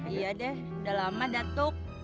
iya deh udah lama datuk